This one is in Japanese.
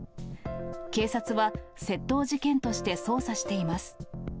警察は、窃盗事件として捜査しています。